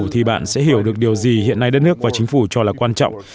thì bạn sẽ hiểu được điều gì hiện nay đất nước và chính phủ cho là quan trọng